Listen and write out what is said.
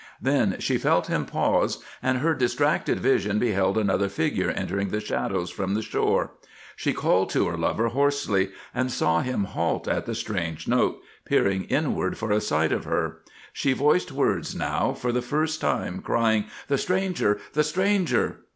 Then she felt him pause, and her distracted vision beheld another figure entering the shadows from the shore. She called to her lover hoarsely, and saw him halt at the strange note, peering inward for a sight of her. She voiced words now for the first time, crying: "The stranger! The stranger!"